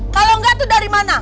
kalau enggak itu dari mana